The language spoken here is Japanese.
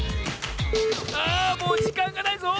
あもうじかんがないぞ！